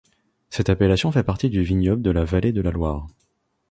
Cette appellation fait partie du vignoble de la vallée de la Loire.